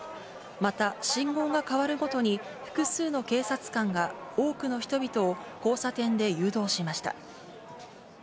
また信号が変わるごとに、複数の警察官が多くの人々を交差点で誘導しました。